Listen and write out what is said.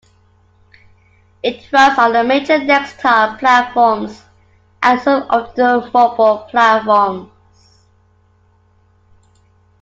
It runs on the major desktop platforms and some of the mobile platforms.